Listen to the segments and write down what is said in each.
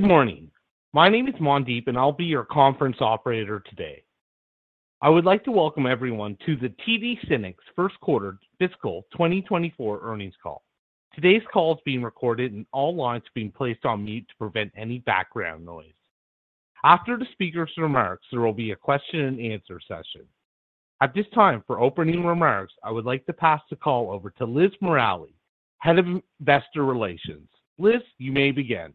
Good morning. My name is Mondeep, and I'll be your conference operator today. I would like to welcome everyone to the TD SYNNEX first quarter fiscal 2024 earnings call. Today's call is being recorded, and all lines are being placed on mute to prevent any background noise. After the speaker's remarks, there will be a question-and-answer session. At this time, for opening remarks, I would like to pass the call over to Liz Morali, Head of Investor Relations. Liz, you may begin.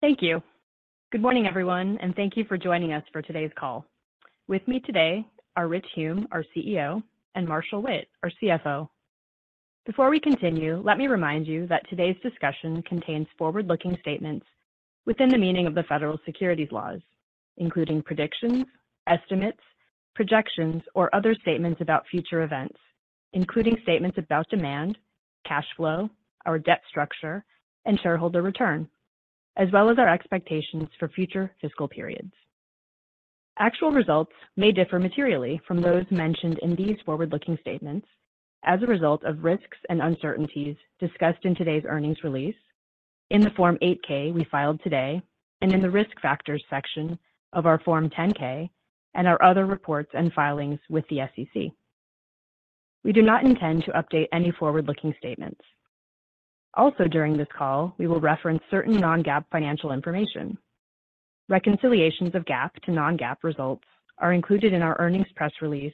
Thank you. Good morning, everyone, and thank you for joining us for today's call. With me today are Rich Hume, our CEO, and Marshall Witt, our CFO. Before we continue, let me remind you that today's discussion contains forward-looking statements within the meaning of the federal securities laws, including predictions, estimates, projections, or other statements about future events, including statements about demand, cash flow, our debt structure, and shareholder return, as well as our expectations for future fiscal periods. Actual results may differ materially from those mentioned in these forward-looking statements as a result of risks and uncertainties discussed in today's earnings release, in the Form 8-K we filed today, and in the risk factors section of our Form 10-K and our other reports and filings with the SEC. We do not intend to update any forward-looking statements. Also, during this call, we will reference certain non-GAAP financial information. Reconciliations of GAAP to non-GAAP results are included in our earnings press release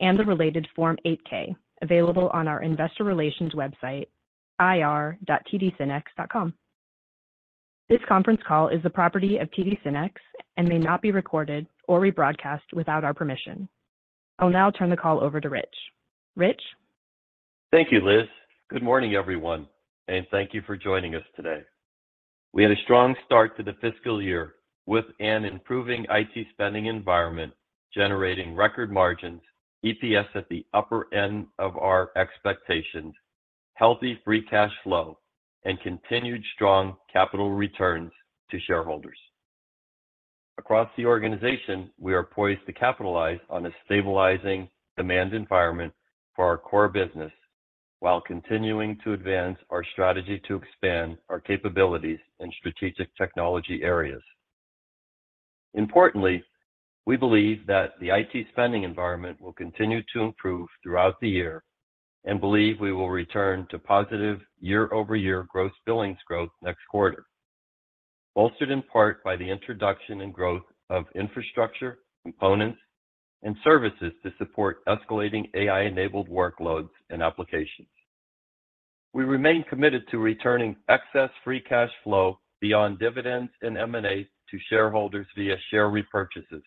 and the related Form 8-K available on our investor relations website, ir.tdsynnex.com. This conference call is the property of TD SYNNEX and may not be recorded or rebroadcast without our permission. I'll now turn the call over to Rich. Rich? Thank you, Liz. Good morning, everyone, and thank you for joining us today. We had a strong start to the fiscal year with an improving IT spending environment generating record margins, EPS at the upper end of our expectations, healthy free cash flow, and continued strong capital returns to shareholders. Across the organization, we are poised to capitalize on a stabilizing demand environment for our core business while continuing to advance our strategy to expand our capabilities in strategic technology areas. Importantly, we believe that the IT spending environment will continue to improve throughout the year and believe we will return to positive year-over-year Gross Billings growth next quarter, bolstered in part by the introduction and growth of infrastructure, components, and services to support escalating AI-enabled workloads and applications. We remain committed to returning excess free cash flow beyond dividends and M&A to shareholders via share repurchases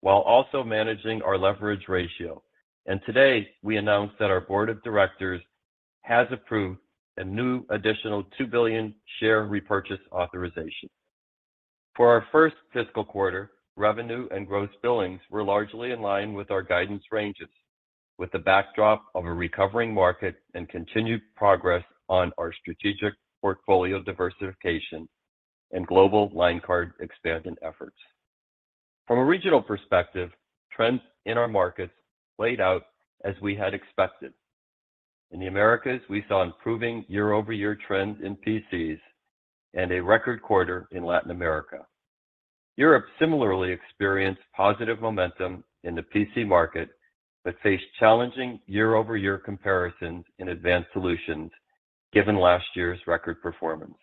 while also managing our leverage ratio, and today we announced that our board of directors has approved a new additional $2 billion share repurchase authorization. For our first fiscal quarter, revenue and Gross Billings were largely in line with our guidance ranges, with the backdrop of a recovering market and continued progress on our strategic portfolio diversification and global line card expanding efforts. From a regional perspective, trends in our markets played out as we had expected. In the Americas, we saw improving year-over-year trends in PCs and a record quarter in Latin America. Europe similarly experienced positive momentum in the PC market but faced challenging year-over-year comparisons in Advanced Solutions given last year's record performance.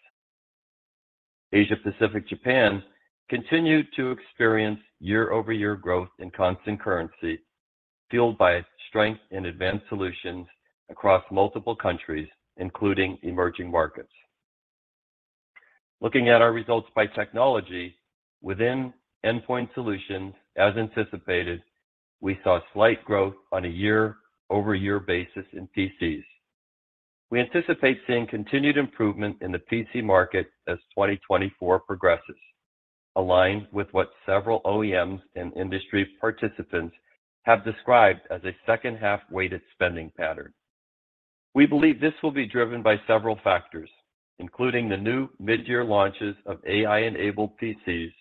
Asia-Pacific Japan continued to experience year-over-year growth in constant currency, fueled by strength in Advanced Solutions across multiple countries, including emerging markets. Looking at our results by technology, within Endpoint Solutions, as anticipated, we saw slight growth on a year-over-year basis in PCs. We anticipate seeing continued improvement in the PC market as 2024 progresses, aligned with what several OEMs and industry participants have described as a second-half weighted spending pattern. We believe this will be driven by several factors, including the new midyear launches of AI-enabled PCs,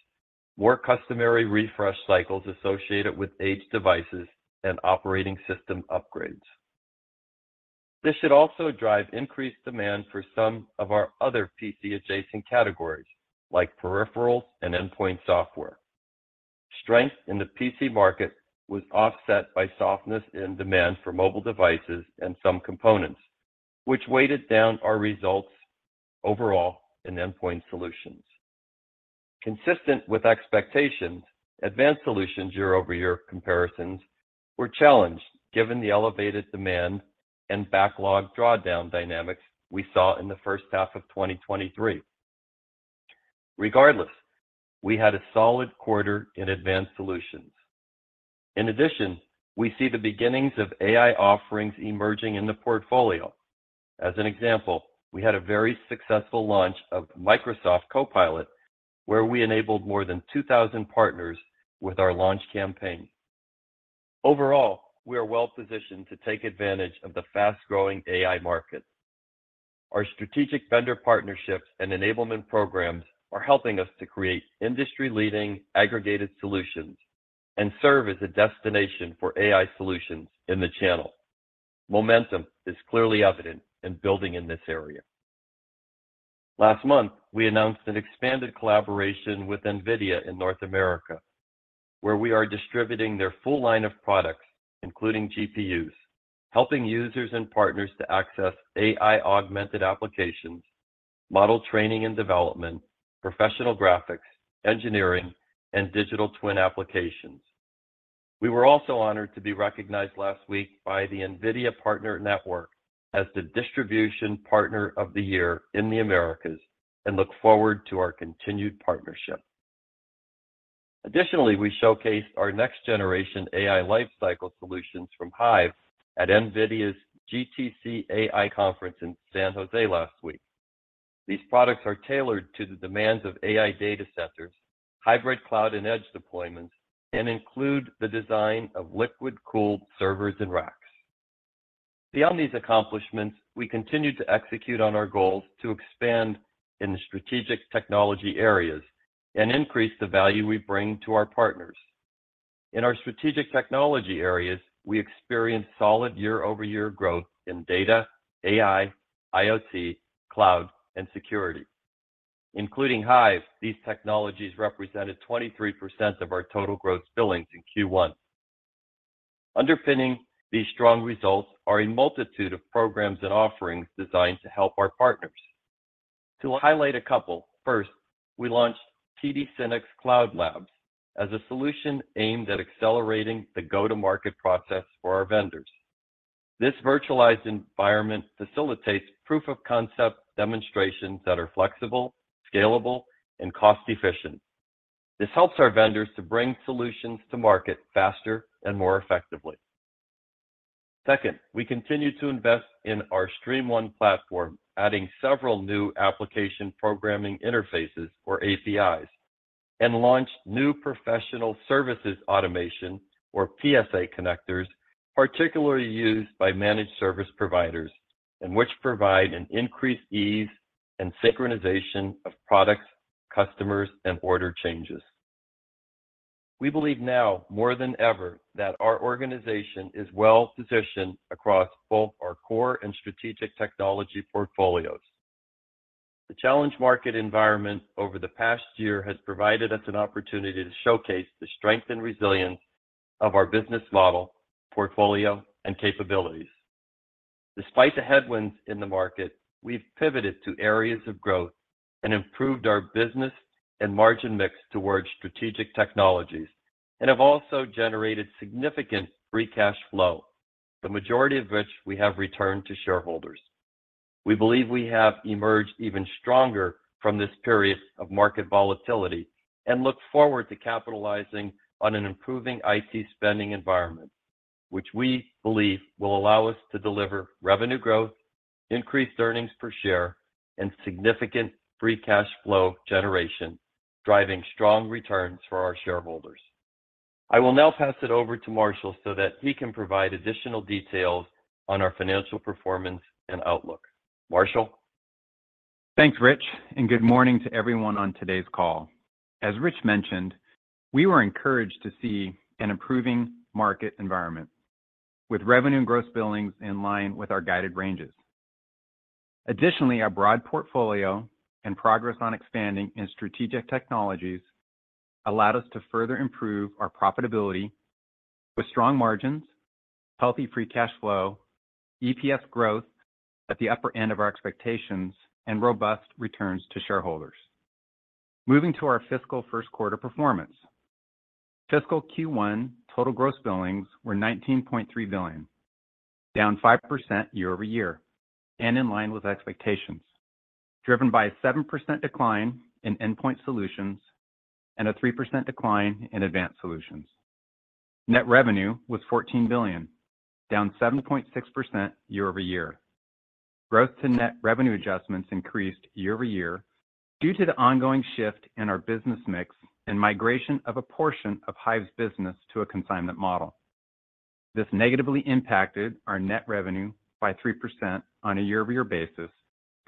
more customary refresh cycles associated with aged devices, and operating system upgrades. This should also drive increased demand for some of our other PC-adjacent categories, like peripherals and endpoint software. Strength in the PC market was offset by softness in demand for mobile devices and some components, which weighted down our results overall in Endpoint Solutions. Consistent with expectations, Advanced Solutions year-over-year comparisons were challenged given the elevated demand and backlog drawdown dynamics we saw in the first half of 2023. Regardless, we had a solid quarter in Advanced Solutions. In addition, we see the beginnings of AI offerings emerging in the portfolio. As an example, we had a very successful launch of Microsoft Copilot, where we enabled more than 2,000 partners with our launch campaign. Overall, we are well positioned to take advantage of the fast-growing AI market. Our strategic vendor partnerships and enablement programs are helping us to create industry-leading aggregated solutions and serve as a destination for AI solutions in the channel. Momentum is clearly evident in building in this area. Last month, we announced an expanded collaboration with NVIDIA in North America, where we are distributing their full line of products, including GPUs, helping users and partners to access AI-augmented applications, model training and development, professional graphics, engineering, and digital twin applications. We were also honored to be recognized last week by the NVIDIA Partner Network as the Distribution Partner of the Year in the Americas and look forward to our continued partnership. Additionally, we showcased our next-generation AI lifecycle solutions from Hyve at NVIDIA's GTC AI conference in San Jose last week. These products are tailored to the demands of AI data centers, hybrid cloud and edge deployments, and include the design of liquid-cooled servers and racks. Beyond these accomplishments, we continue to execute on our goals to expand in the strategic technology areas and increase the value we bring to our partners. In our strategic technology areas, we experienced solid year-over-year growth in data, AI, IoT, cloud, and security. Including Hyve, these technologies represented 23% of our total Gross Billings in Q1. Underpinning these strong results are a multitude of programs and offerings designed to help our partners. To highlight a couple, first, we launched TD SYNNEX Cloud Labs as a solution aimed at accelerating the go-to-market process for our vendors. This virtualized environment facilitates proof-of-concept demonstrations that are flexible, scalable, and cost-efficient. This helps our vendors to bring solutions to market faster and more effectively. Second, we continue to invest in our StreamOne platform, adding several new application programming interfaces, or APIs, and launched new professional services automation, or PSA connectors, particularly used by managed service providers and which provide an increased ease and synchronization of products, customers, and order changes. We believe now more than ever that our organization is well positioned across both our core and strategic technology portfolios. The challenged market environment over the past year has provided us an opportunity to showcase the strength and resilience of our business model, portfolio, and capabilities. Despite the headwinds in the market, we've pivoted to areas of growth and improved our business and margin mix towards strategic technologies and have also generated significant free cash flow, the majority of which we have returned to shareholders. We believe we have emerged even stronger from this period of market volatility and look forward to capitalizing on an improving IT spending environment, which we believe will allow us to deliver revenue growth, increased earnings per share, and significant free cash flow generation, driving strong returns for our shareholders. I will now pass it over to Marshall so that he can provide additional details on our financial performance and outlook. Marshall? Thanks, Rich, and good morning to everyone on today's call. As Rich mentioned, we were encouraged to see an improving market environment with revenue and Gross Billings in line with our guided ranges. Additionally, our broad portfolio and progress on expanding in strategic technologies allowed us to further improve our profitability with strong margins, healthy free cash flow, EPS growth at the upper end of our expectations, and robust returns to shareholders. Moving to our fiscal first quarter performance, fiscal Q1 total Gross Billings were $19.3 billion, down 5% year-over-year and in line with expectations, driven by a 7% decline in Endpoint Solutions and a 3% decline in Advanced Solutions. Net revenue was $14 billion, down 7.6% year-over-year. Growth to net revenue adjustments increased year-over-year due to the ongoing shift in our business mix and migration of a portion of Hyve's business to a consignment model. This negatively impacted our net revenue by 3% on a year-over-year basis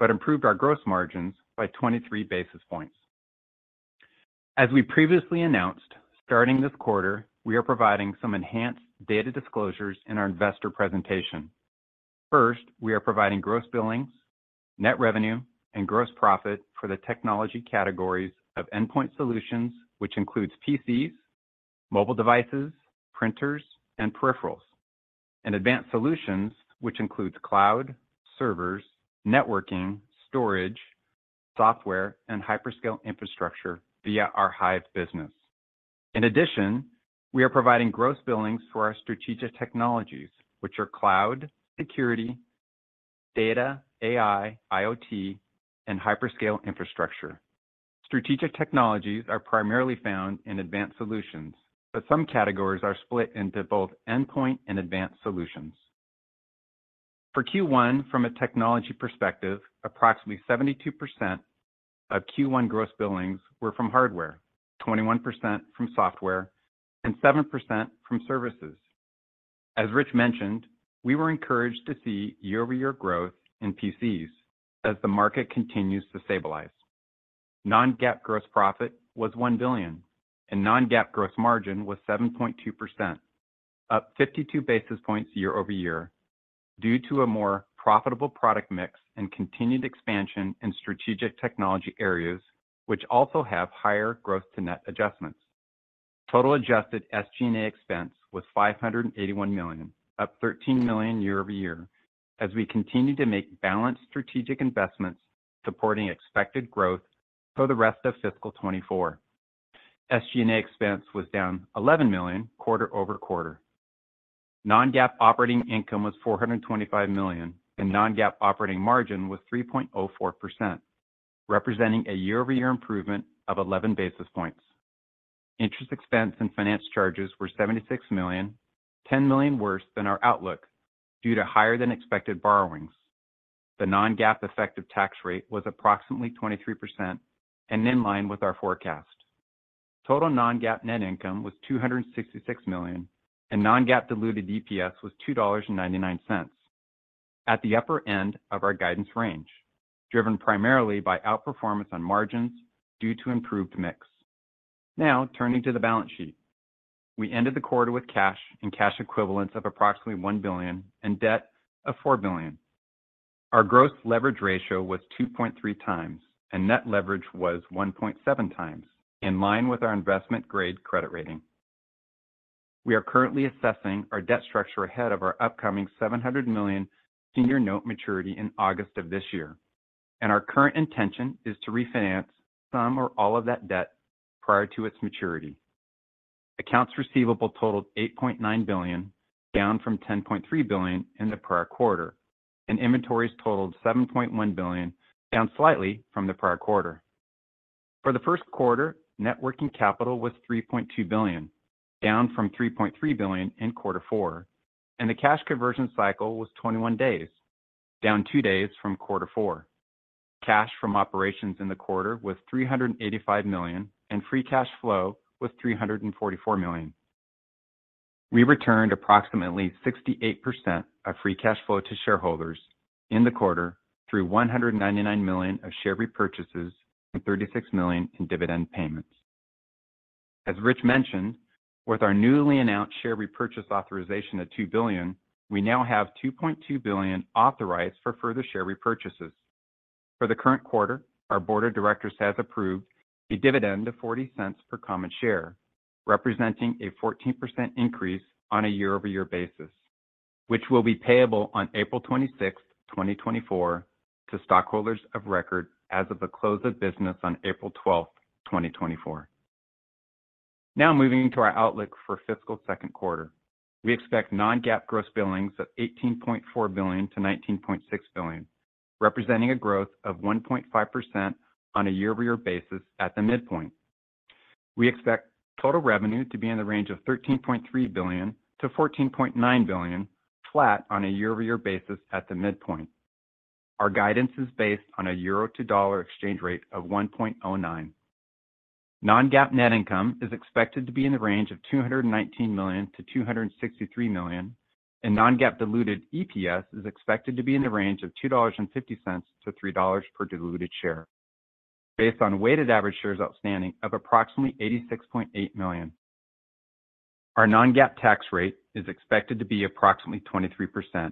but improved our gross margins by 23 basis points. As we previously announced, starting this quarter, we are providing some enhanced data disclosures in our investor presentation. First, we are providing Gross Billings, net revenue, and gross profit for the technology categories of Endpoint Solutions, which includes PCs, mobile devices, printers, and peripherals, and Advanced Solutions, which includes cloud, servers, networking, storage, software, and hyperscale infrastructure via our Hyve business. In addition, we are providing Gross Billings for our strategic technologies, which are cloud, security, data, AI, IoT, and hyperscale infrastructure. Strategic technologies are primarily found in Advanced Solutions, but some categories are split into both endpoint and Advanced Solutions. For Q1, from a technology perspective, approximately 72% of Q1 Gross Billings were from hardware, 21% from software, and 7% from services. As Rich mentioned, we were encouraged to see year-over-year growth in PCs as the market continues to stabilize. Non-GAAP gross profit was $1 billion, and non-GAAP gross margin was 7.2%, up 52 basis points year over year due to a more profitable product mix and continued expansion in strategic technology areas, which also have higher gross-to-net adjustments. Total adjusted SG&A expense was $581 million, up $13 million year over year as we continue to make balanced strategic investments supporting expected growth for the rest of fiscal 2024. SG&A expense was down $11 million quarter-over-quarter. Non-GAAP operating income was $425 million, and non-GAAP operating margin was 3.04%, representing a year-over-year improvement of 11 basis points. Interest expense and finance charges were $76 million, $10 million worse than our outlook due to higher-than-expected borrowings. The non-GAAP effective tax rate was approximately 23% and in line with our forecast. Total non-GAAP net income was $266 million, and non-GAAP diluted EPS was $2.99, at the upper end of our guidance range, driven primarily by outperformance on margins due to improved mix. Now, turning to the balance sheet. We ended the quarter with cash and cash equivalents of approximately $1 billion and debt of $4 billion. Our gross leverage ratio was 2.3 times, and net leverage was 1.7 times, in line with our investment-grade credit rating. We are currently assessing our debt structure ahead of our upcoming $700 million senior note maturity in August of this year, and our current intention is to refinance some or all of that debt prior to its maturity. Accounts receivable totaled $8.9 billion, down from $10.3 billion in the prior quarter, and inventories totaled $7.1 billion, down slightly from the prior quarter. For the first quarter, net working capital was $3.2 billion, down from $3.3 billion in quarter four, and the cash conversion cycle was 21 days, down two days from quarter four. Cash from operations in the quarter was $385 million, and free cash flow was $344 million. We returned approximately 68% of free cash flow to shareholders in the quarter through $199 million of share repurchases and $36 million in dividend payments. As Rich mentioned, with our newly announced share repurchase authorization of $2 billion, we now have $2.2 billion authorized for further share repurchases. For the current quarter, our board of directors has approved a dividend of $0.40 per common share, representing a 14% increase on a year-over-year basis, which will be payable on April 26, 2024, to stockholders of record as of the close of business on April 12, 2024. Now, moving to our outlook for fiscal second quarter. We expect non-GAAP Gross Billings of $18.4 billion-$19.6 billion, representing a growth of 1.5% on a year-over-year basis at the midpoint. We expect total revenue to be in the range of $13.3 billion-$14.9 billion, flat on a year-over-year basis at the midpoint. Our guidance is based on a euro-to-dollar exchange rate of 1.09. Non-GAAP net income is expected to be in the range of $219 million-$263 million, and non-GAAP diluted EPS is expected to be in the range of $2.50-$3 per diluted share, based on weighted average shares outstanding of approximately 86.8 million. Our non-GAAP tax rate is expected to be approximately 23%.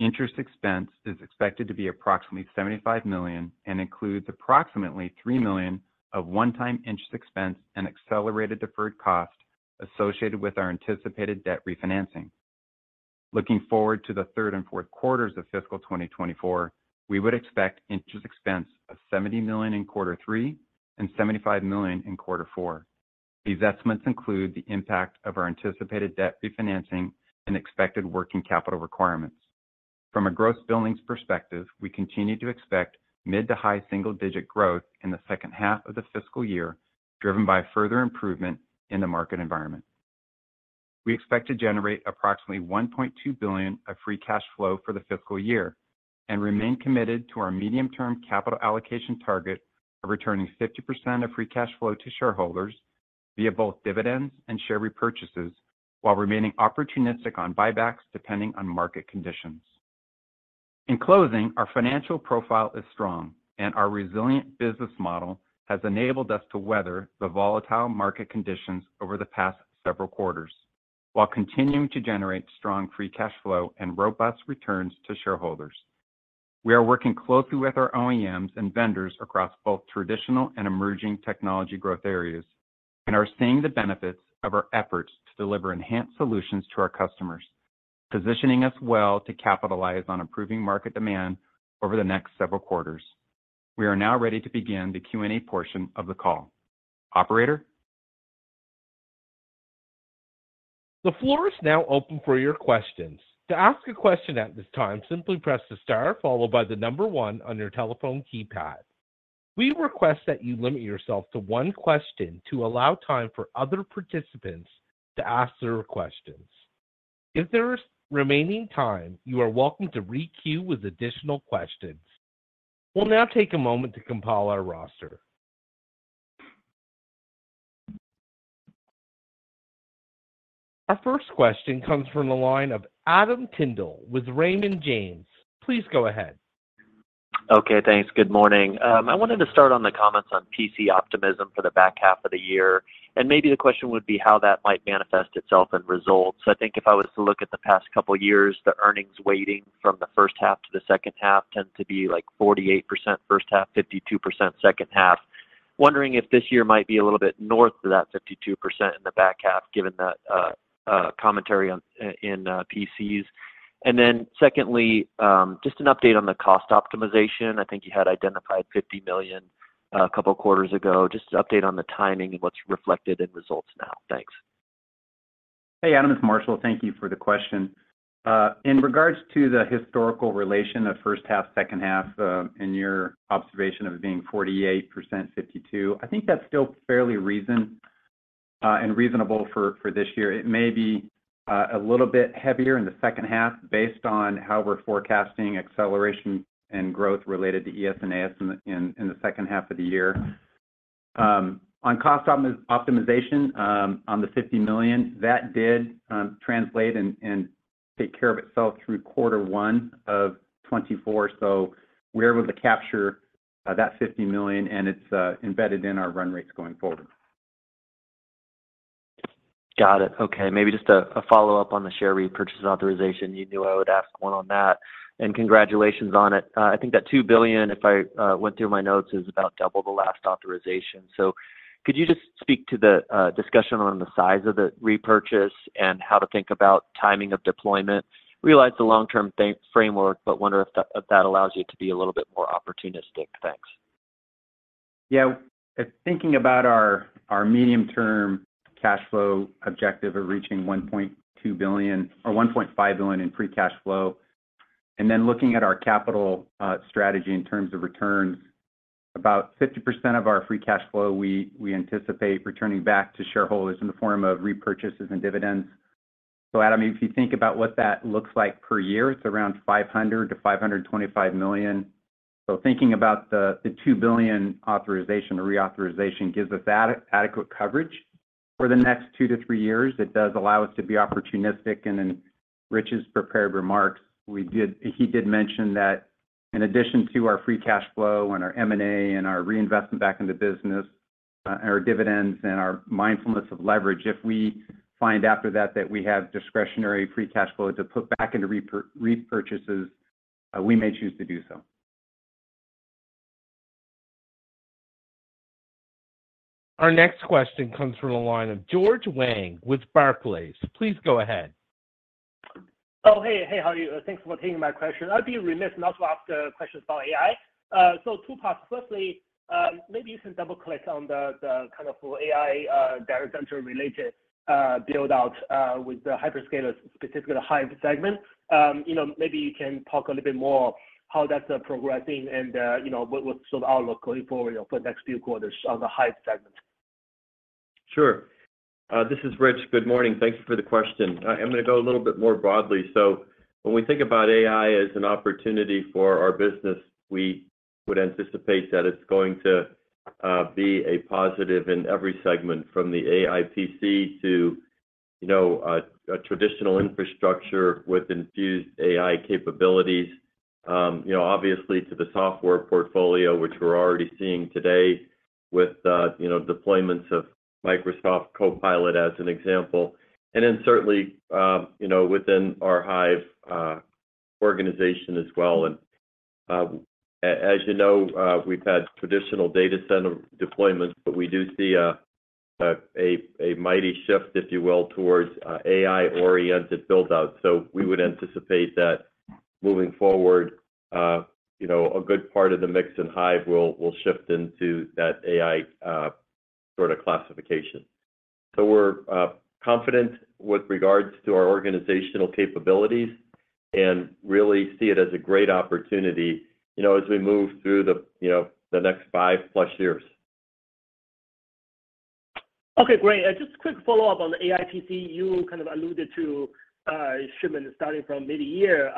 Interest expense is expected to be approximately $75 million and includes approximately $3 million of one-time interest expense and accelerated deferred cost associated with our anticipated debt refinancing. Looking forward to the third and fourth quarters of fiscal 2024, we would expect interest expense of $70 million in quarter three and $75 million in quarter four. These estimates include the impact of our anticipated debt refinancing and expected working capital requirements. From a Gross Billings perspective, we continue to expect mid to high single-digit growth in the second half of the fiscal year, driven by further improvement in the market environment. We expect to generate approximately $1.2 billion of free cash flow for the fiscal year and remain committed to our medium-term capital allocation target of returning 50% of free cash flow to shareholders via both dividends and share repurchases while remaining opportunistic on buybacks depending on market conditions. In closing, our financial profile is strong, and our resilient business model has enabled us to weather the volatile market conditions over the past several quarters while continuing to generate strong free cash flow and robust returns to shareholders. We are working closely with our OEMs and vendors across both traditional and emerging technology growth areas and are seeing the benefits of our efforts to deliver enhanced solutions to our customers, positioning us well to capitalize on improving market demand over the next several quarters. We are now ready to begin the Q&A portion of the call. Operator? The floor is now open for your questions. To ask a question at this time, simply press the star followed by the number one on your telephone keypad. We request that you limit yourself to one question to allow time for other participants to ask their questions. If there is remaining time, you are welcome to re-queue with additional questions. We'll now take a moment to compile our roster. Our first question comes from the line of Adam Tindle with Raymond James. Please go ahead. Okay, thanks. Good morning. I wanted to start on the comments on PC optimism for the back half of the year, and maybe the question would be how that might manifest itself and result. So I think if I was to look at the past couple of years, the earnings weighting from the first half to the second half tend to be like 48% first half, 52% second half. Wondering if this year might be a little bit north of that 52% in the back half, given that commentary in PCs. And then secondly, just an update on the cost optimization. I think you had identified $50 million a couple of quarters ago. Just an update on the timing and what's reflected in results now. Thanks. Hey, Adam. It's Marshall. Thank you for the question. In regards to the historical relation of first half, second half, and your observation of it being 48%, 52%, I think that's still fairly reasonable for this year. It may be a little bit heavier in the second half based on how we're forecasting acceleration and growth related to ES and AS in the second half of the year. On cost optimization on the $50 million, that did translate and take care of itself through quarter one of 2024. So we're able to capture that $50 million, and it's embedded in our run rates going forward. Got it. Okay. Maybe just a follow-up on the share repurchase authorization. You knew I would ask one on that. Congratulations on it. I think that $2 billion, if I went through my notes, is about double the last authorization. Could you just speak to the discussion on the size of the repurchase and how to think about timing of deployment? Realize the long-term framework, but wonder if that allows you to be a little bit more opportunistic. Thanks. Yeah. Thinking about our medium-term cash flow objective of reaching $1.2 billion or $1.5 billion in free cash flow, and then looking at our capital strategy in terms of returns, about 50% of our free cash flow we anticipate returning back to shareholders in the form of repurchases and dividends. So, Adam, if you think about what that looks like per year, it's around $500 million-$525 million. So thinking about the $2 billion authorization, the reauthorization, gives us adequate coverage for the next two to three years. It does allow us to be opportunistic. Then Rich's prepared remarks, he did mention that in addition to our free cash flow and our M&A and our reinvestment back into business and our dividends and our mindfulness of leverage, if we find after that that we have discretionary free cash flow to put back into repurchases, we may choose to do so. Our next question comes from the line of George Wang with Barclays. Please go ahead. Oh, hey. Hey, how are you? Thanks for taking my question. I'd be remiss not to ask questions about AI. So two parts. Firstly, maybe you can double-click on the kind of AI direct entry-related buildout with the hyperscalers, specifically the Hyve segment. Maybe you can talk a little bit more how that's progressing and what's sort of our look going forward for the next few quarters on the Hyve segment. Sure. This is Rich. Good morning. Thank you for the question. I'm going to go a little bit more broadly. So when we think about AI as an opportunity for our business, we would anticipate that it's going to be a positive in every segment, from the AI PC to traditional infrastructure with infused AI capabilities, obviously to the software portfolio, which we're already seeing today with deployments of Microsoft Copilot as an example, and then certainly within our Hyve organization as well. And as you know, we've had traditional data center deployments, but we do see a mighty shift, if you will, towards AI-oriented buildouts. So we would anticipate that moving forward, a good part of the mix in Hyve will shift into that AI sort of classification. We're confident with regards to our organizational capabilities and really see it as a great opportunity as we move through the next 5+ years. Okay, great. Just a quick follow-up on the AI PC. You kind of alluded to shipment starting from mid-year.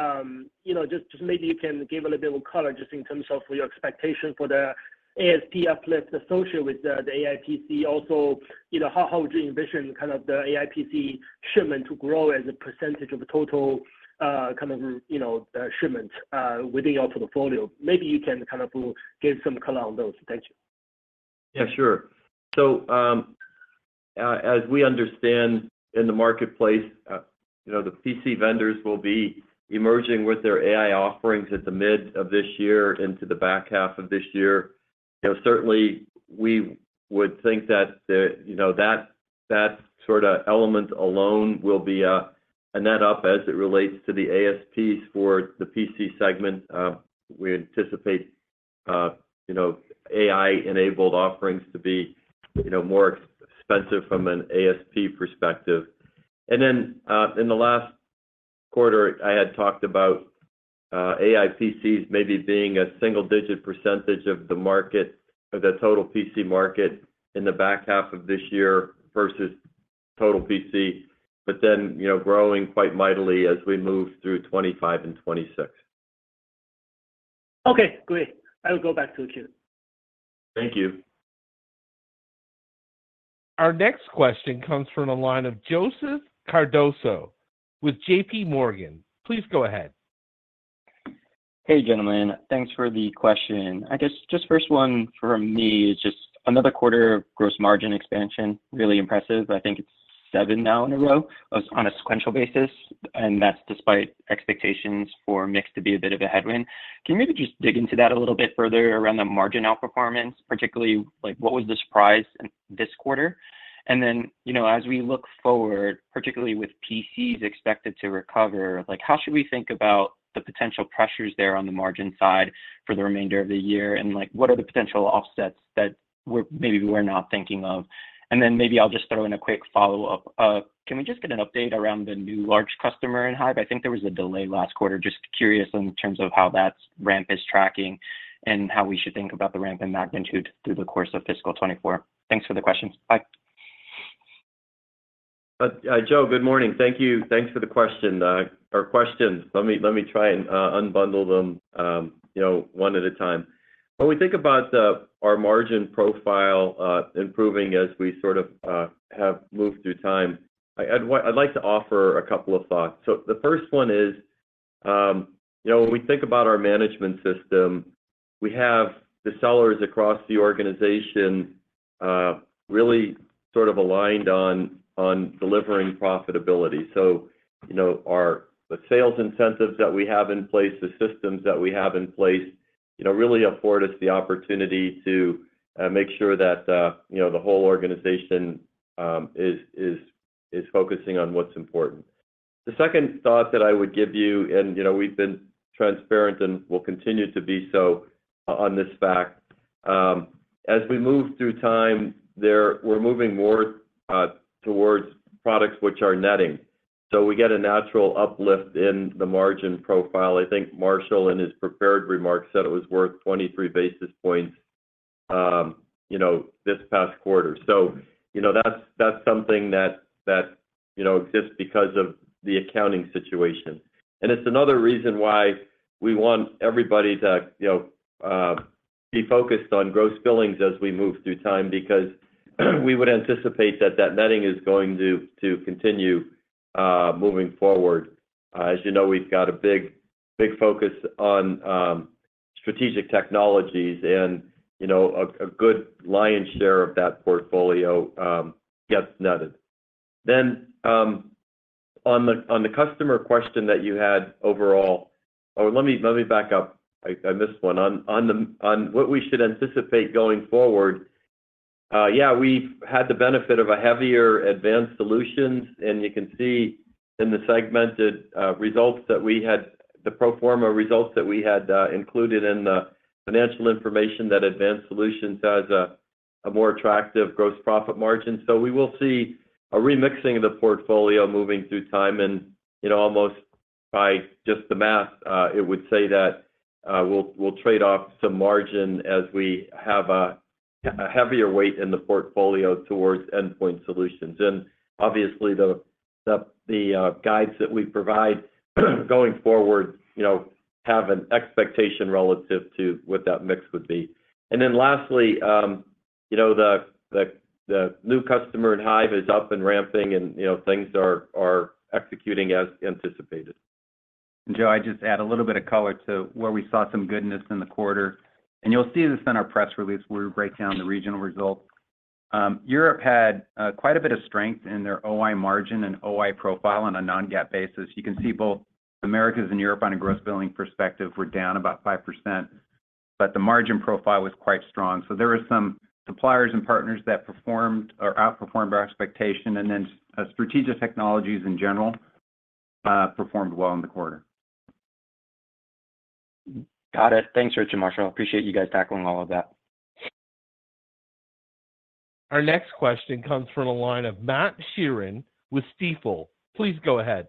Just maybe you can give a little bit of color just in terms of your expectation for the ASP uplift associated with the AI PC. Also, how would you envision kind of the AI PC shipment to grow as a percentage of total kind of shipment within your portfolio? Maybe you can kind of give some color on those. Thank you. Yeah, sure. So as we understand in the marketplace, the PC vendors will be emerging with their AI offerings at the mid of this year into the back half of this year. Certainly, we would think that that sort of element alone will be a net up as it relates to the ASPs for the PC segment. We anticipate AI-enabled offerings to be more expensive from an ASP perspective. And then in the last quarter, I had talked about AI PCs maybe being a single-digit % of the total PC market in the back half of this year versus total PC, but then growing quite mightily as we move through 2025 and 2026. Okay, great. I will go back to the queue. Thank you. Our next question comes from the line of Joseph Cardoso with J.P. Morgan. Please go ahead. Hey, gentlemen. Thanks for the question. I guess just first one from me is just another quarter of gross margin expansion, really impressive. I think it's 7 now in a row on a sequential basis, and that's despite expectations for mix to be a bit of a headwind. Can you maybe just dig into that a little bit further around the margin outperformance, particularly what was the surprise this quarter? And then as we look forward, particularly with PCs expected to recover, how should we think about the potential pressures there on the margin side for the remainder of the year, and what are the potential offsets that maybe we're not thinking of? And then maybe I'll just throw in a quick follow-up. Can we just get an update around the new large customer in Hyve? I think there was a delay last quarter. Just curious in terms of how that ramp is tracking and how we should think about the ramp in magnitude through the course of fiscal 2024. Thanks for the questions. Bye. Joe, good morning. Thank you. Thanks for the question or questions. Let me try and unbundle them one at a time. When we think about our margin profile improving as we sort of have moved through time, I'd like to offer a couple of thoughts. So the first one is when we think about our management system, we have the sellers across the organization really sort of aligned on delivering profitability. So the sales incentives that we have in place, the systems that we have in place, really afford us the opportunity to make sure that the whole organization is focusing on what's important. The second thought that I would give you, and we've been transparent and will continue to be so on this fact, as we move through time, we're moving more towards products which are netting. So we get a natural uplift in the margin profile. I think Marshall in his prepared remarks said it was worth 23 basis points this past quarter. So that's something that exists because of the accounting situation. And it's another reason why we want everybody to be focused on Gross Billings as we move through time because we would anticipate that that netting is going to continue moving forward. As you know, we've got a big focus on strategic technologies, and a good lion's share of that portfolio gets netted. Then on the customer question that you had overall or let me back up. I missed one. On what we should anticipate going forward, yeah, we've had the benefit of a heavier Advanced Solutions. And you can see in the segmented results that we had the pro forma results that we had included in the financial information that Advanced Solutions has a more attractive gross profit margin. So we will see a remixing of the portfolio moving through time. And almost by just the math, it would say that we'll trade off some margin as we have a heavier weight in the portfolio towards Endpoint Solutions. And obviously, the guides that we provide going forward have an expectation relative to what that mix would be. And then lastly, the new customer in Hyve is up and ramping, and things are executing as anticipated. Joe, I'd just add a little bit of color to where we saw some goodness in the quarter. You'll see this in our press release where we break down the regional results. Europe had quite a bit of strength in their OI margin and OI profile on a non-GAAP basis. You can see both Americas and Europe, on a Gross Billings perspective, were down about 5%, but the margin profile was quite strong. So there were some suppliers and partners that performed or outperformed our expectation, and then strategic technologies in general performed well in the quarter. Got it. Thanks, Rich. Marshall. Appreciate you guys tackling all of that. Our next question comes from the line of Matt Sheerin with Stifel. Please go ahead.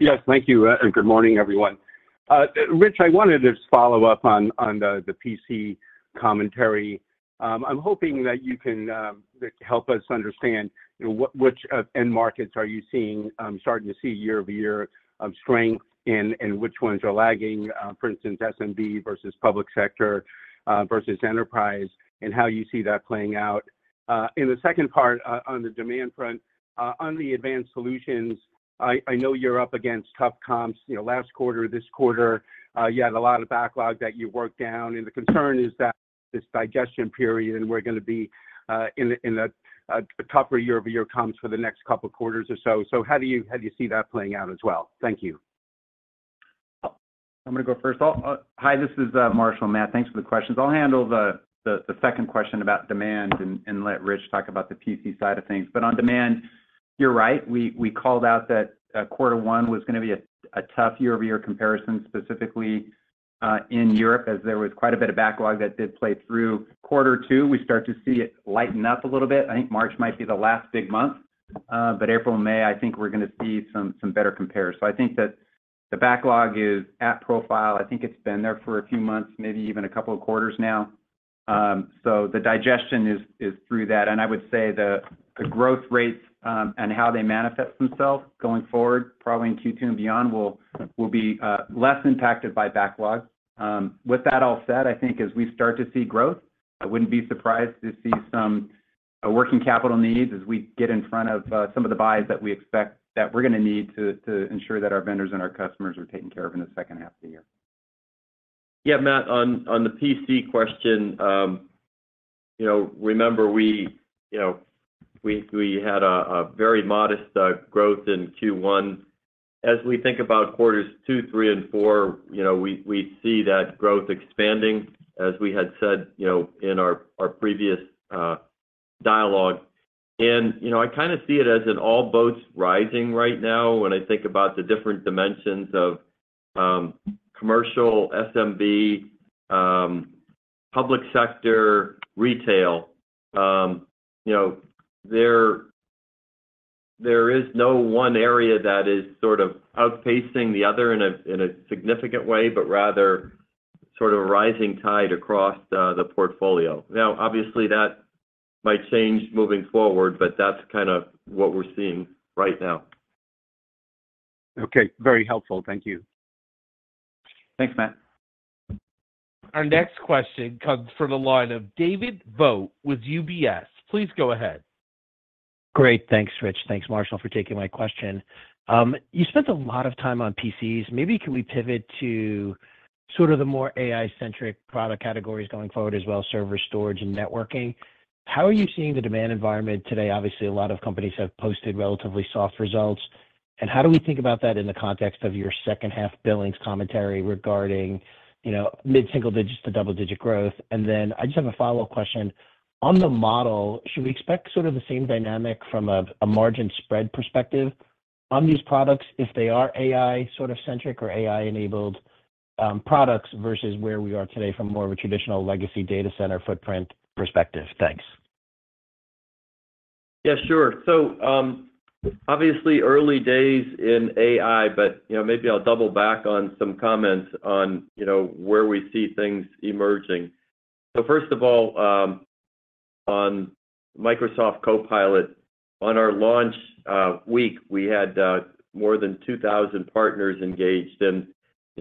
Yes, thank you. Good morning, everyone. Rich, I wanted to just follow up on the PC commentary. I'm hoping that you can help us understand which end markets are you starting to see year-over-year strength in and which ones are lagging, for instance, S&B versus public sector versus enterprise, and how you see that playing out. In the second part, on the demand front, on the Advanced Solutions, I know you're up against tough comps last quarter, this quarter. You had a lot of backlog that you worked down. The concern is that this digestion period, and we're going to be in a tougher year-over-year comps for the next couple of quarters or so. So how do you see that playing out as well? Thank you. I'm going to go first. Hi, this is Marshall and Matt. Thanks for the questions. I'll handle the second question about demand and let Rich talk about the PC side of things. But on demand, you're right. We called out that quarter one was going to be a tough year-over-year comparison, specifically in Europe, as there was quite a bit of backlog that did play through. Quarter two, we start to see it lighten up a little bit. I think March might be the last big month, but April and May, I think we're going to see some better compares. So I think that the backlog is at profile. I think it's been there for a few months, maybe even a couple of quarters now. So the digestion is through that. I would say the growth rates and how they manifest themselves going forward, probably in Q2 and beyond, will be less impacted by backlog. With that all said, I think as we start to see growth, I wouldn't be surprised to see some working capital needs as we get in front of some of the buys that we expect that we're going to need to ensure that our vendors and our customers are taken care of in the second half of the year. Yeah, Matt, on the PC question, remember we had a very modest growth in Q1. As we think about quarters 2, 3, and 4, we see that growth expanding, as we had said in our previous dialogue. And I kind of see it as an all boats rising right now when I think about the different dimensions of commercial, S&B, public sector, retail. There is no one area that is sort of outpacing the other in a significant way, but rather sort of a rising tide across the portfolio. Now, obviously, that might change moving forward, but that's kind of what we're seeing right now. Okay, very helpful. Thank you. Thanks, Matt. Our next question comes from the line of David Vogt with UBS. Please go ahead. Great. Thanks, Rich. Thanks, Marshall, for taking my question. You spent a lot of time on PCs. Maybe can we pivot to sort of the more AI-centric product categories going forward as well, server storage, and networking? How are you seeing the demand environment today? Obviously, a lot of companies have posted relatively soft results. And how do we think about that in the context of your second-half billings commentary regarding mid-single digits to double-digit growth? And then I just have a follow-up question. On the model, should we expect sort of the same dynamic from a margin spread perspective on these products if they are AI sort of-centric or AI-enabled products versus where we are today from more of a traditional legacy data center footprint perspective? Thanks. Yeah, sure. So obviously, early days in AI, but maybe I'll double back on some comments on where we see things emerging. So first of all, on Microsoft Copilot, on our launch week, we had more than 2,000 partners engaged. And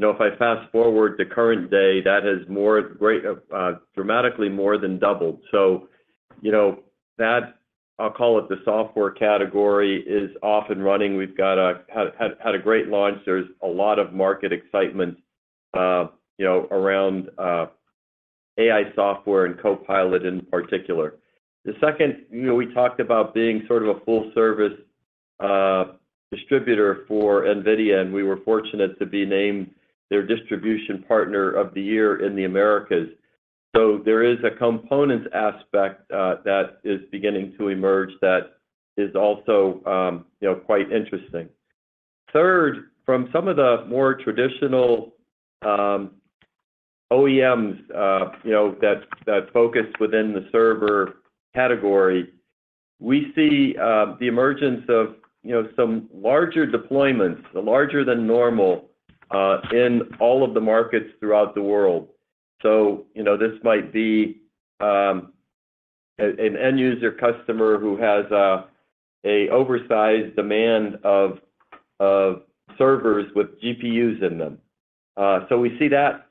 if I fast-forward to current day, that has dramatically more than doubled. So that, I'll call it the software category, is off and running. We've had a great launch. There's a lot of market excitement around AI software and Copilot in particular. The second, we talked about being sort of a full-service distributor for NVIDIA, and we were fortunate to be named their distribution partner of the year in the Americas. So there is a components aspect that is beginning to emerge that is also quite interesting. Third, from some of the more traditional OEMs that focus within the server category, we see the emergence of some larger deployments, larger than normal, in all of the markets throughout the world. So this might be an end-user customer who has an oversized demand of servers with GPUs in them. So we see that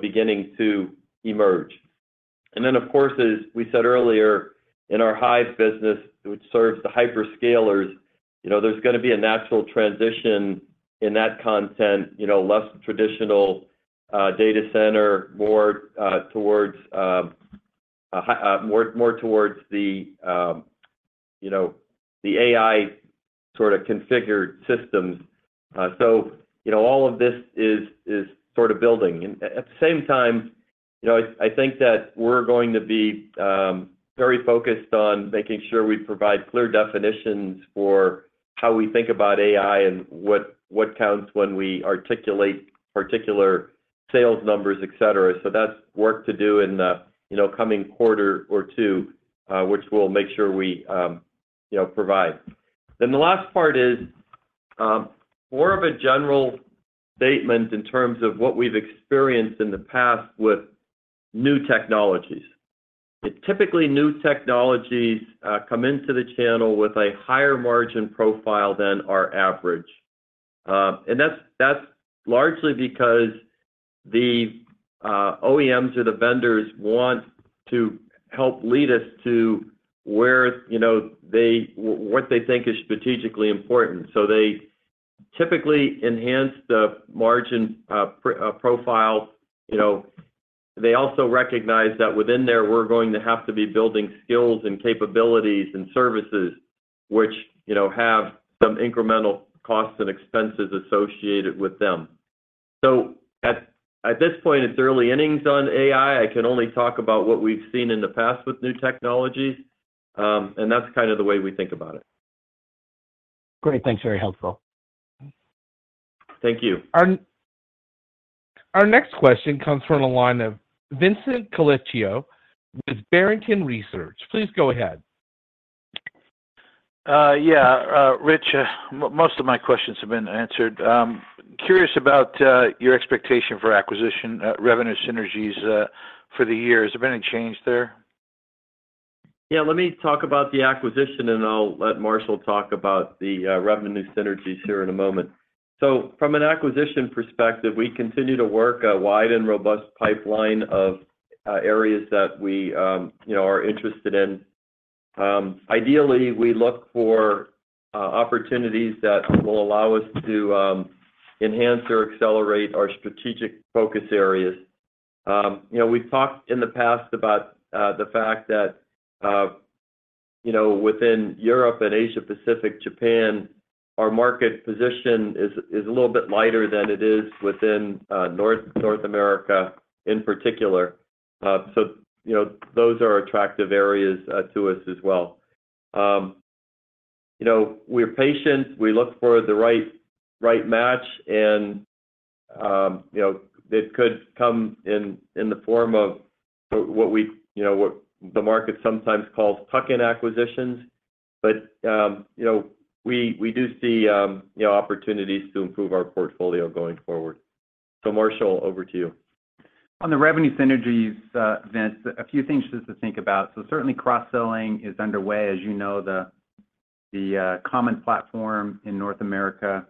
beginning to emerge. And then, of course, as we said earlier, in our Hyve business, which serves the hyperscalers, there's going to be a natural transition in that content, less traditional data center, more towards the AI sort of configured systems. So all of this is sort of building. And at the same time, I think that we're going to be very focused on making sure we provide clear definitions for how we think about AI and what counts when we articulate particular sales numbers, etc. So that's work to do in the coming quarter or two, which we'll make sure we provide. Then the last part is more of a general statement in terms of what we've experienced in the past with new technologies. Typically, new technologies come into the channel with a higher margin profile than our average. And that's largely because the OEMs or the vendors want to help lead us to what they think is strategically important. So they typically enhance the margin profile. They also recognize that within there, we're going to have to be building skills and capabilities and services, which have some incremental costs and expenses associated with them. So at this point, it's early innings on AI. I can only talk about what we've seen in the past with new technologies. And that's kind of the way we think about it. Great. Thanks. Very helpful. Thank you. Our next question comes from the line of Vincent Colicchio with Barrington Research. Please go ahead. Yeah, Rich, most of my questions have been answered. Curious about your expectation for acquisition revenue synergies for the year? Has there been any change there? Yeah, let me talk about the acquisition, and I'll let Marshall talk about the revenue synergies here in a moment. So from an acquisition perspective, we continue to work a wide and robust pipeline of areas that we are interested in. Ideally, we look for opportunities that will allow us to enhance or accelerate our strategic focus areas. We've talked in the past about the fact that within Europe and Asia-Pacific, Japan, our market position is a little bit lighter than it is within North America in particular. So those are attractive areas to us as well. We're patient. We look for the right match, and it could come in the form of what the market sometimes calls tuck-in acquisitions. But we do see opportunities to improve our portfolio going forward. So Marshall, over to you. On the revenue synergies, Vince, a few things just to think about. So certainly, cross-selling is underway. As you know, the common platform in North America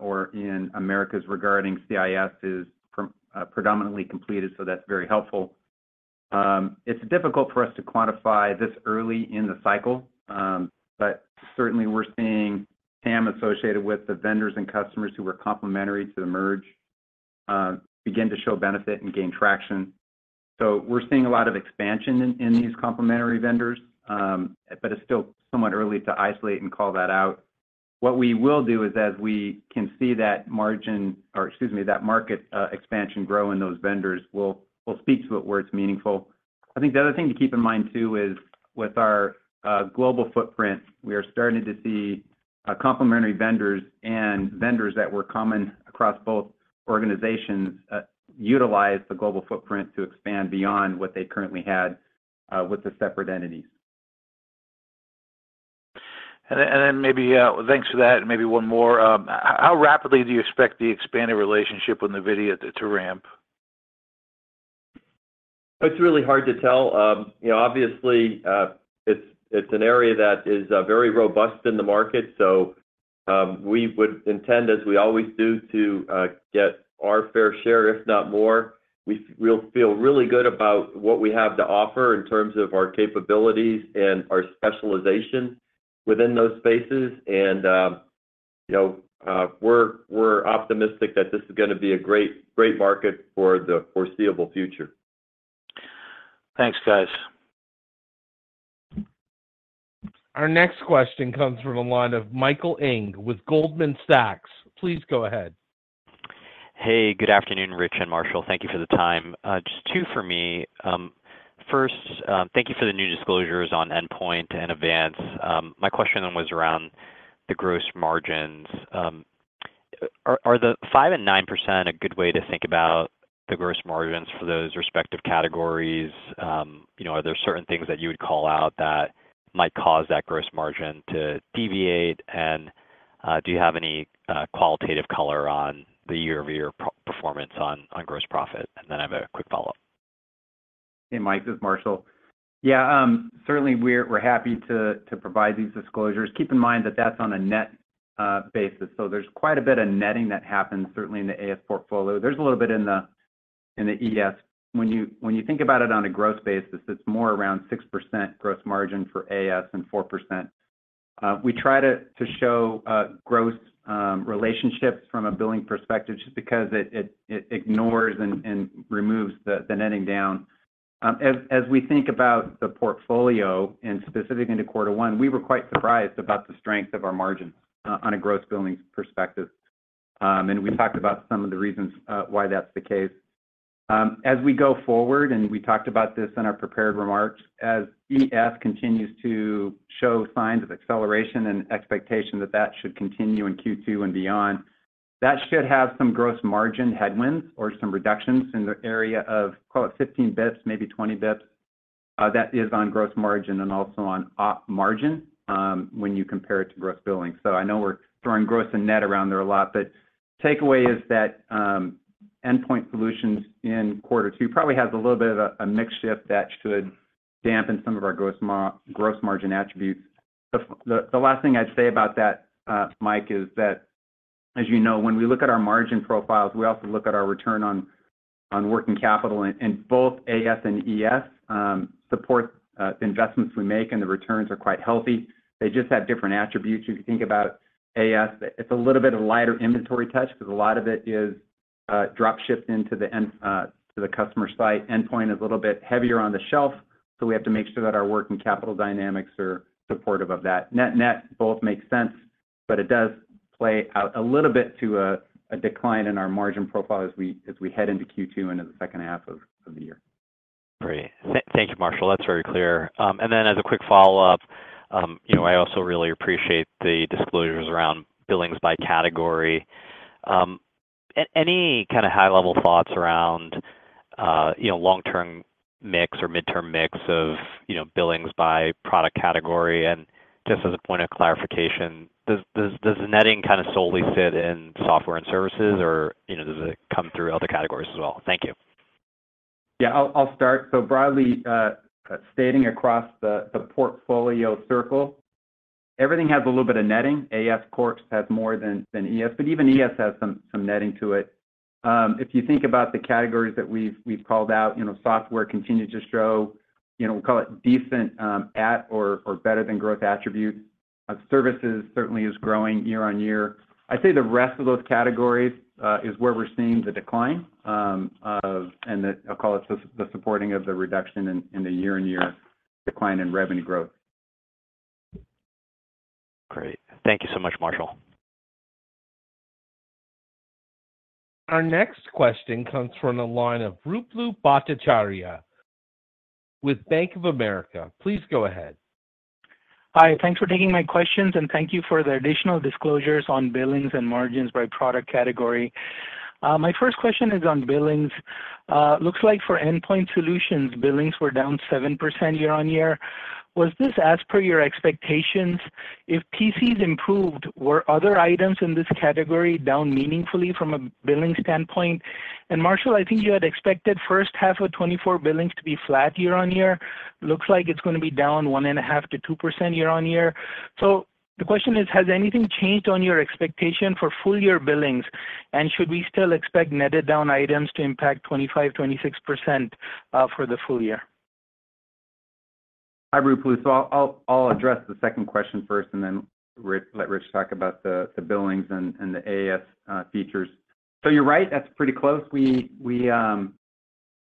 or in Americas regarding CIS is predominantly completed, so that's very helpful. It's difficult for us to quantify this early in the cycle, but certainly, we're seeing TAM associated with the vendors and customers who were complementary to the merge begin to show benefit and gain traction. So we're seeing a lot of expansion in these complementary vendors, but it's still somewhat early to isolate and call that out. What we will do is, as we can see that margin or excuse me, that market expansion grow in those vendors, we'll speak to it where it's meaningful. I think the other thing to keep in mind, too, is with our global footprint, we are starting to see complementary vendors and vendors that were common across both organizations utilize the global footprint to expand beyond what they currently had with the separate entities. And then, maybe, thanks for that. And maybe one more. How rapidly do you expect the expanding relationship with NVIDIA to ramp? It's really hard to tell. Obviously, it's an area that is very robust in the market. So we would intend, as we always do, to get our fair share, if not more. We'll feel really good about what we have to offer in terms of our capabilities and our specialization within those spaces. And we're optimistic that this is going to be a great market for the foreseeable future. Thanks, guys. Our next question comes from the line of Michael Ng with Goldman Sachs. Please go ahead. Hey, good afternoon, Rich and Marshall. Thank you for the time. Just two for me. First, thank you for the new disclosures on Endpoint and Advanced. My question then was around the gross margins. Are the 5% and 9% a good way to think about the gross margins for those respective categories? Are there certain things that you would call out that might cause that gross margin to deviate? And do you have any qualitative color on the year-over-year performance on gross profit? And then I have a quick follow-up. Hey, Mike. This is Marshall. Yeah, certainly, we're happy to provide these disclosures. Keep in mind that that's on a net basis. So there's quite a bit of netting that happens, certainly, in the AS portfolio. There's a little bit in the ES. When you think about it on a gross basis, it's more around 6% gross margin for AS and 4%. We try to show gross relationships from a billing perspective just because it ignores and removes the netting down. As we think about the portfolio and specifically into quarter one, we were quite surprised about the strength of our margins on a Gross Billings perspective. And we talked about some of the reasons why that's the case. As we go forward, and we talked about this in our prepared remarks, as ES continues to show signs of acceleration and expectation that that should continue in Q2 and beyond, that should have some gross margin headwinds or some reductions in the area of, call it, 15 basis points, maybe 20 basis points. That is on gross margin and also on op margin when you compare it to Gross Billings. So I know we're throwing gross and net around there a lot, but takeaway is that Endpoint Solutions in quarter two probably has a little bit of a mixed shift that should dampen some of our gross margin attributes. The last thing I'd say about that, Mike, is that, as you know, when we look at our margin profiles, we also look at our return on working capital. Both AS and ES support investments we make, and the returns are quite healthy. They just have different attributes. If you think about AS, it's a little bit of a lighter inventory touch because a lot of it is drop-shipped into the customer site. Endpoint is a little bit heavier on the shelf, so we have to make sure that our working capital dynamics are supportive of that. Net-net, both make sense, but it does play out a little bit to a decline in our margin profile as we head into Q2 and into the second half of the year. Great. Thank you, Marshall. That's very clear. And then as a quick follow-up, I also really appreciate the disclosures around billings by category. Any kind of high-level thoughts around long-term mix or mid-term mix of billings by product category? And just as a point of clarification, does the netting kind of solely sit in software and services, or does it come through other categories as well? Thank you. Yeah, I'll start. So broadly stating across the portfolio circle, everything has a little bit of netting. Advanced Solutions has more than ES, but even ES has some netting to it. If you think about the categories that we've called out, software continues to show, we'll call it, decent at or better than growth attributes. Services certainly is growing year-over-year. I'd say the rest of those categories is where we're seeing the decline. And I'll call it the supporting of the reduction in the year-over-year decline in revenue growth. Great. Thank you so much, Marshall. Our next question comes from the line of Ruplu Bhattacharya with Bank of America. Please go ahead. Hi. Thanks for taking my questions, and thank you for the additional disclosures on billings and margins by product category. My first question is on billings. Looks like for Endpoint Solutions, billings were down 7% year-over-year. Was this as per your expectations? If PCs improved, were other items in this category down meaningfully from a billing standpoint? And Marshall, I think you had expected first half of 2024 billings to be flat year-over-year. Looks like it's going to be down 1.5%-2% year-over-year. So the question is, has anything changed on your expectation for full-year billings, and should we still expect netted-down items to impact 25%-26% for the full year? Hi, Ruplu. So I'll address the second question first, and then let Rich talk about the billings and the AS features. So you're right. That's pretty close. We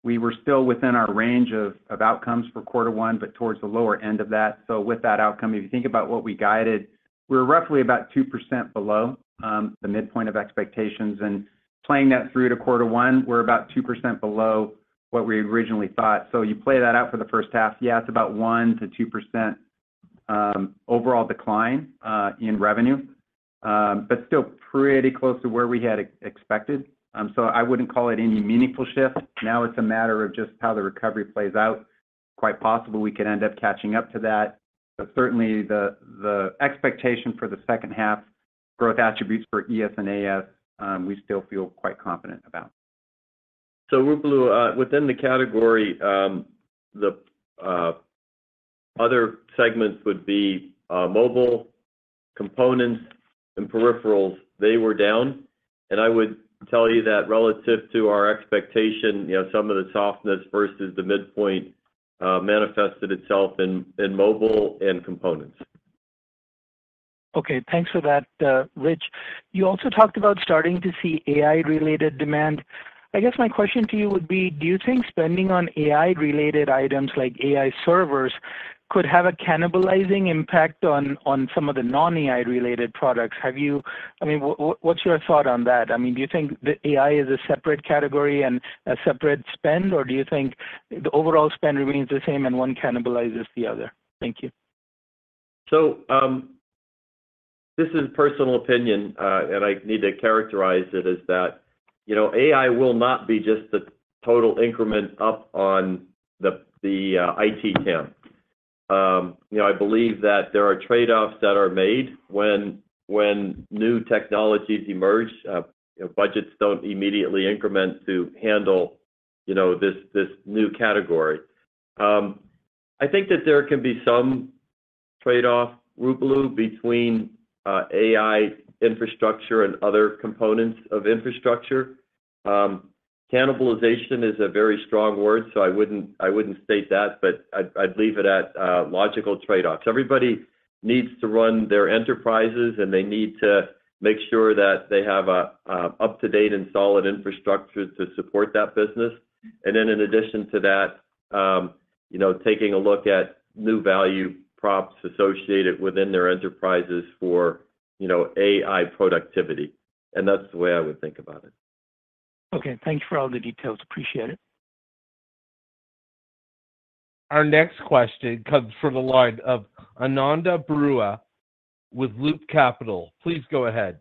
were still within our range of outcomes for quarter one but towards the lower end of that. So with that outcome, if you think about what we guided, we were roughly about 2% below the midpoint of expectations. And playing that through to quarter one, we're about 2% below what we originally thought. So you play that out for the first half, yeah, it's about 1%-2% overall decline in revenue but still pretty close to where we had expected. So I wouldn't call it any meaningful shift. Now, it's a matter of just how the recovery plays out. It's quite possible we could end up catching up to that. Certainly, the expectation for the second half growth attributes for ES and AS, we still feel quite confident about. So Ruplu, within the category, the other segments would be mobile components and peripherals. They were down. I would tell you that relative to our expectation, some of the softness versus the midpoint manifested itself in mobile and components. Okay. Thanks for that, Rich. You also talked about starting to see AI-related demand. I guess my question to you would be, do you think spending on AI-related items like AI servers could have a cannibalizing impact on some of the non-AI-related products? I mean, what's your thought on that? I mean, do you think the AI is a separate category and a separate spend, or do you think the overall spend remains the same and one cannibalizes the other? Thank you. So this is a personal opinion, and I need to characterize it as that AI will not be just the total increment up on the IT TAM. I believe that there are trade-offs that are made when new technologies emerge. Budgets don't immediately increment to handle this new category. I think that there can be some trade-off, Ruplu, between AI infrastructure and other components of infrastructure. Cannibalization is a very strong word, so I wouldn't state that, but I'd leave it at logical trade-offs. Everybody needs to run their enterprises, and they need to make sure that they have an up-to-date and solid infrastructure to support that business. And then in addition to that, taking a look at new value props associated within their enterprises for AI productivity. And that's the way I would think about it. Okay. Thanks for all the details. Appreciate it. Our next question comes from the line of Ananda Baruah with Loop Capital. Please go ahead.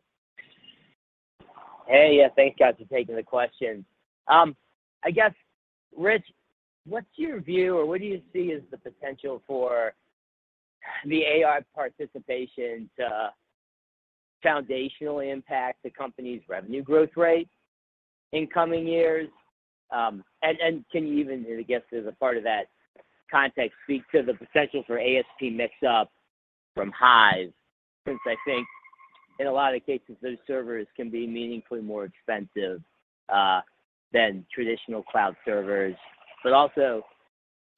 Hey. Yeah, thanks, guys, for taking the question. I guess, Rich, what's your view, or what do you see as the potential for the AI participation to foundationally impact the company's revenue growth rate in coming years? And can you even, I guess as a part of that context, speak to the potential for ASP mix-up from Hyve? Since I think, in a lot of cases, those servers can be meaningfully more expensive than traditional cloud servers. But also,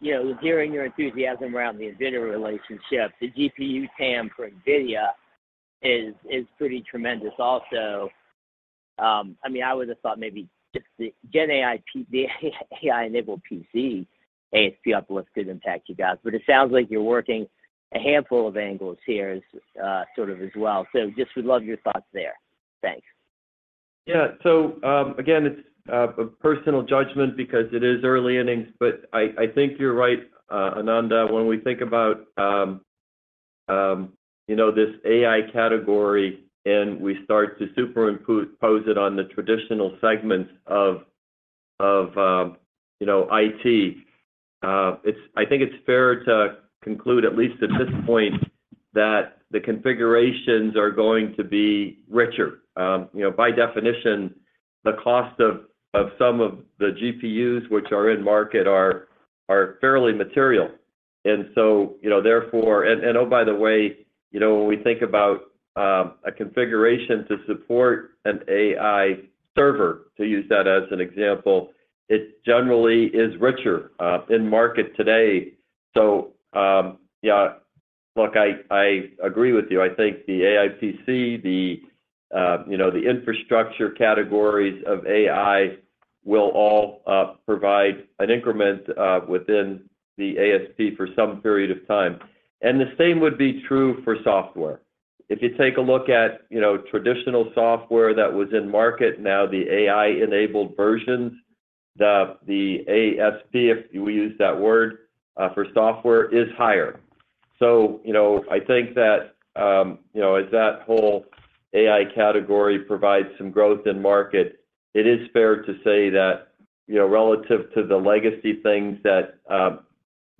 hearing your enthusiasm around the NVIDIA relationship, the GPU TAM for NVIDIA is pretty tremendous also. I mean, I would have thought maybe just the AI-enabled PC, ASP uplift, could impact you guys. But it sounds like you're working a handful of angles here sort of as well. So just would love your thoughts there. Thanks. Yeah. So again, it's a personal judgment because it is early innings, but I think you're right, Ananda. When we think about this AI category and we start to superimpose it on the traditional segments of IT, I think it's fair to conclude, at least at this point, that the configurations are going to be richer. By definition, the cost of some of the GPUs, which are in market, are fairly material. And so therefore and oh, by the way, when we think about a configuration to support an AI server, to use that as an example, it generally is richer in market today. So yeah, look, I agree with you. I think the AI PC, the infrastructure categories of AI will all provide an increment within the ASP for some period of time. And the same would be true for software. If you take a look at traditional software that was in market, now the AI-enabled versions, the ASP, if we use that word, for software is higher. So I think that as that whole AI category provides some growth in market, it is fair to say that relative to the legacy things that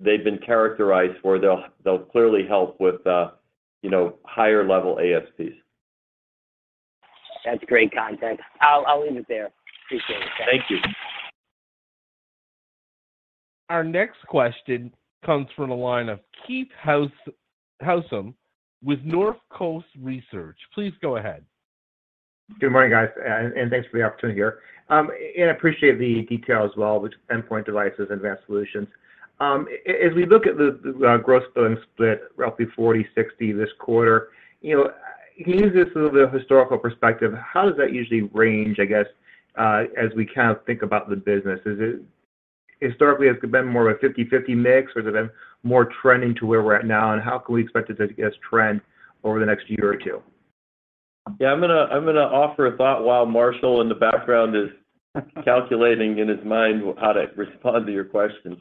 they've been characterized for, they'll clearly help with higher-level ASPs. That's great context. I'll leave it there. Appreciate it, guys. Thank you. Our next question comes from the line of Keith Housum with Northcoast Research. Please go ahead. Good morning, guys, and thanks for the opportunity here. I appreciate the detail as well with Endpoint Solutions and Advanced Solutions. As we look at the Gross Billings split, roughly 40/60 this quarter, to use this a little bit of historical perspective, how does that usually range, I guess, as we kind of think about the business? Historically, has it been more of a 50/50 mix, or has it been more trending to where we're at now? How can we expect it to, I guess, trend over the next year or two? Yeah, I'm going to offer a thought while Marshall in the background is calculating in his mind how to respond to your question.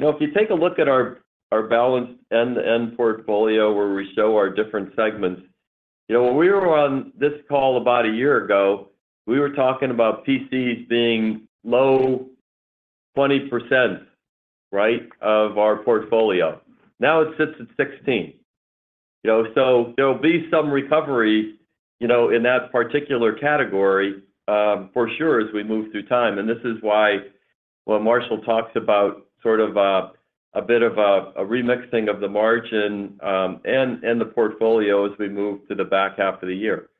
So if you take a look at our Balanced End-to-End portfolio where we show our different segments, when we were on this call about a year ago, we were talking about PCs being low 20%, right, of our portfolio. Now, it sits at 16%. So there'll be some recovery in that particular category for sure as we move through time. And this is why, when Marshall talks about sort of a bit of a remixing of the margin and the portfolio as we move to the back half of the year.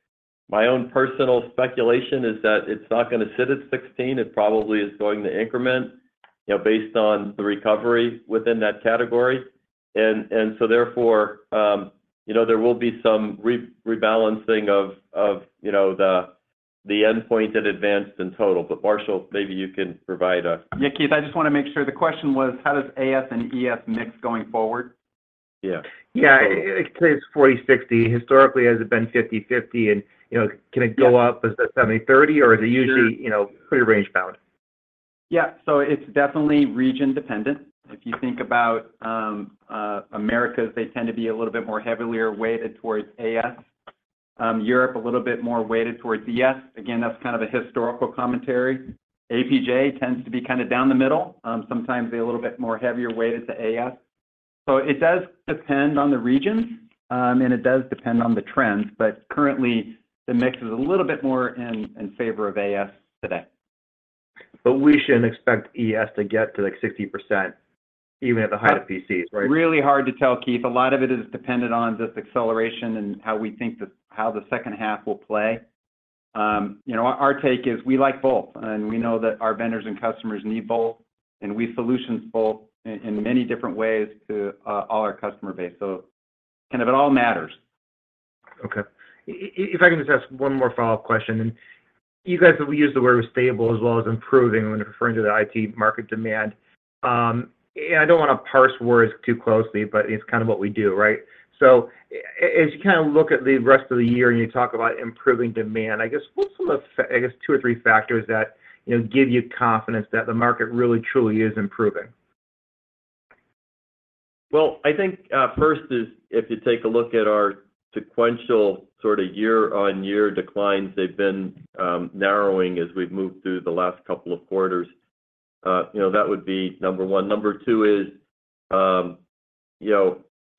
My own personal speculation is that it's not going to sit at 16%. It probably is going to increment based on the recovery within that category. And so therefore, there will be some rebalancing of the Endpoint and Advanced and total. But Marshall, maybe you can provide a. Yeah, Keith, I just want to make sure. The question was, how does AS and ES mix going forward? Yeah. Yeah. It stays 40/60. Historically, has it been 50/50? And can it go up to 70/30, or is it usually pretty range-bound? Yeah. So it's definitely region-dependent. If you think about Americas, they tend to be a little bit more heavily weighted towards AS. Europe, a little bit more weighted towards ES. Again, that's kind of a historical commentary. APJ tends to be kind of down the middle. Sometimes they're a little bit more heavily weighted to AS. So it does depend on the regions, and it does depend on the trends. But currently, the mix is a little bit more in favor of AS today. But we shouldn't expect ES to get to 60% even at the height of PCs, right? Really hard to tell, Keith. A lot of it is dependent on just acceleration and how we think the second half will play. Our take is we like both, and we know that our vendors and customers need both, and we sell solutions both in many different ways to all our customer base. So kind of it all matters. Okay. If I can just ask one more follow-up question. You guys have used the word stable as well as improving when referring to the IT market demand. I don't want to parse words too closely, but it's kind of what we do, right? As you kind of look at the rest of the year and you talk about improving demand, I guess what's some of the, I guess, two or three factors that give you confidence that the market really, truly is improving? Well, I think first is if you take a look at our sequential sort of year-on-year declines they've been narrowing as we've moved through the last couple of quarters, that would be number one. Number two is,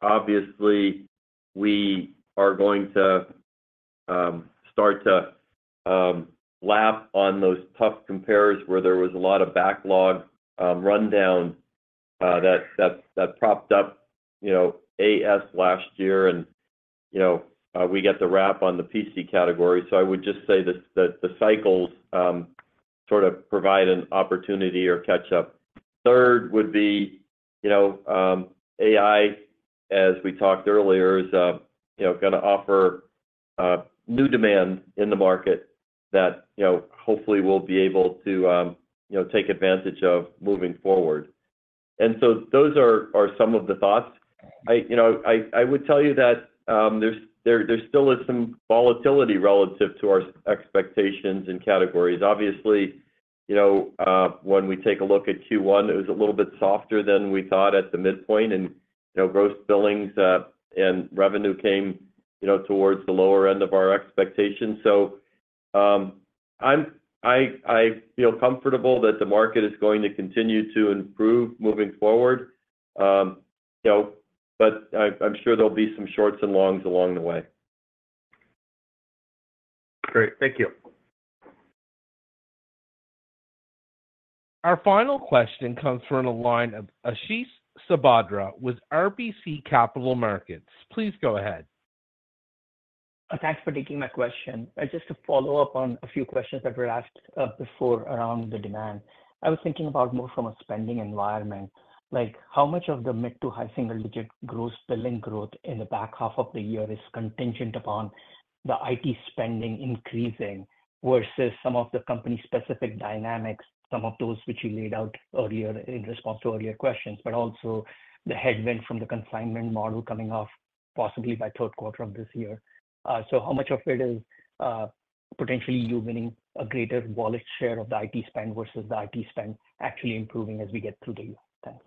obviously, we are going to start to lap on those tough compares where there was a lot of backlog rundown that propped up AS last year. And we get the wrap on the PC category. So I would just say that the cycles sort of provide an opportunity or catch-up. Third would be AI, as we talked earlier, is going to offer new demand in the market that hopefully we'll be able to take advantage of moving forward. And so those are some of the thoughts. I would tell you that there still is some volatility relative to our expectations and categories. Obviously, when we take a look at Q1, it was a little bit softer than we thought at the midpoint. Gross Billings and revenue came towards the lower end of our expectations. I feel comfortable that the market is going to continue to improve moving forward. I'm sure there'll be some shorts and longs along the way. Great. Thank you. Our final question comes from the line of Ashish Sabadra with RBC Capital Markets. Please go ahead. Thanks for taking my question. Just to follow up on a few questions that were asked before around the demand, I was thinking about more from a spending environment. How much of the mid- to high single-digit Gross Billings growth in the back half of the year is contingent upon the IT spending increasing versus some of the company-specific dynamics, some of those which you laid out earlier in response to earlier questions, but also the headwind from the consignment model coming off possibly by third quarter of this year? So how much of it is potentially you winning a greater wallet share of the IT spend versus the IT spend actually improving as we get through the year? Thanks.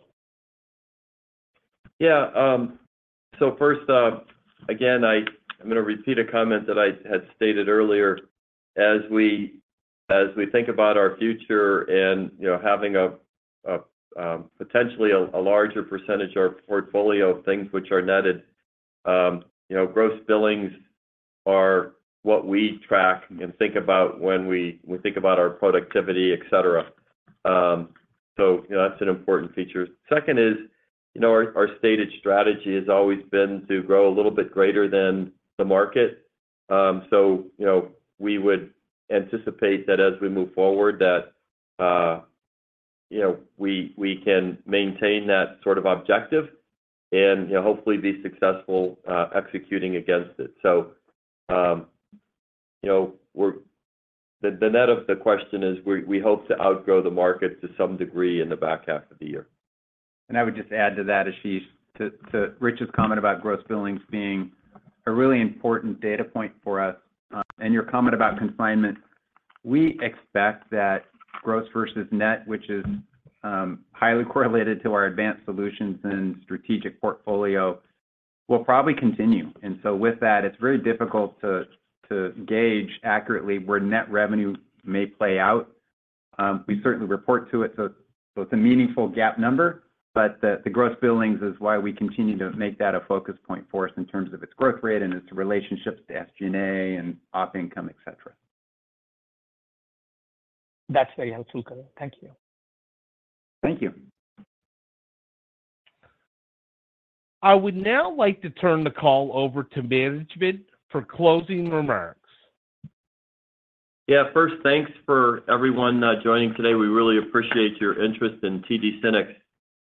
Yeah. So first, again, I'm going to repeat a comment that I had stated earlier. As we think about our future and having potentially a larger percentage of our portfolio of things which are netted, Gross Billings are what we track and think about when we think about our productivity, etc. So that's an important feature. Second is our stated strategy has always been to grow a little bit greater than the market. So we would anticipate that as we move forward, that we can maintain that sort of objective and hopefully be successful executing against it. So the net of the question is we hope to outgrow the market to some degree in the back half of the year. I would just add to that, Ashish, to Rich's comment about Gross Billings being a really important data point for us. Your comment about consignment, we expect that gross versus net, which is highly correlated to our Advanced Solutions and strategic portfolio, will probably continue. With that, it's very difficult to gauge accurately where net revenue may play out. We certainly report to it. It's a meaningful gap number, but the Gross Billings is why we continue to make that a focus point for us in terms of its growth rate and its relationships to SG&A and op income, etc. That's very helpful, Ken. Thank you. Thank you. I would now like to turn the call over to management for closing remarks. Yeah. First, thanks for everyone joining today. We really appreciate your interest in TD SYNNEX.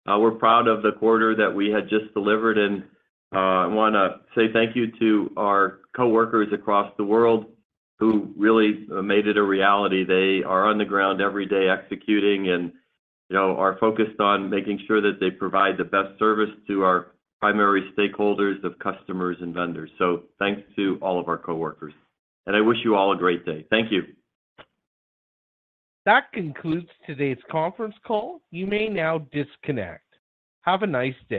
We're proud of the quarter that we had just delivered. I want to say thank you to our coworkers across the world who really made it a reality. They are on the ground every day executing and are focused on making sure that they provide the best service to our primary stakeholders of customers and vendors. Thanks to all of our coworkers. I wish you all a great day. Thank you. That concludes today's conference call. You may now disconnect. Have a nice day.